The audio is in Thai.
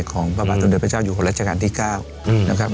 ของพระบาทธรรมเดชน์พระเจ้าอยู่ของรัชกาลที่๙นะครับ